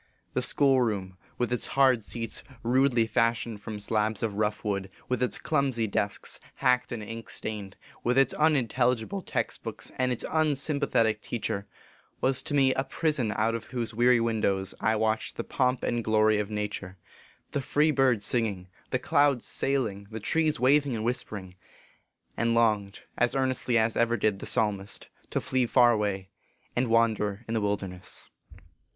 The schoolroom with its hard seats rudely fashioned 192 OLDTOWN FIRESIDE STORIES. from slabs of rough wood, with its clumsy desks, hacked and ink stained, with its unintelligible text books and its unsympathetic teacher was to me a prison out of whose weary windows I watched the pomp and glory of nature, the free birds singing, (lie clouds sailing, the trees waving and whispering, and longed, as earnestly as ever did the Psalmist, to flee far away, and wander in the wilderness.